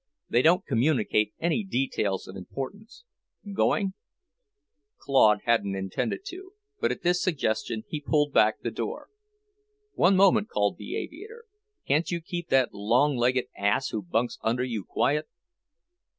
They don't communicate any details of importance. Going?" Claude hadn't intended to, but at this suggestion he pulled back the door. "One moment," called the aviator. "Can't you keep that long legged ass who bunks under you quiet?"